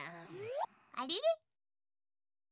あれれ？